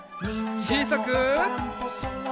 ちいさく。